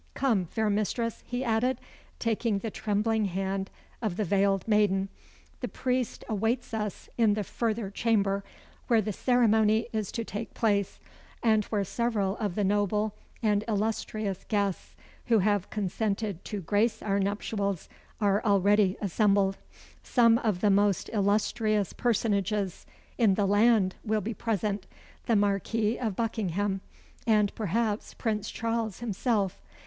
Come, fair mistress," he added, taking the trembling hand of the veiled maiden, "the priest awaits us in the further chamber, where the ceremony is to take place, and where several of the noble and illustrious guests who have consented to grace our nuptials are already assembled. Some of the most illustrious personages in the land will be present the Marquis of Buckingham, and perhaps Prince Charles himself.